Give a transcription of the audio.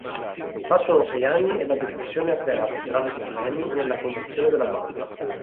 Passano sei anni e la Depressione ha creato gravi problemi nella conduzione della banca.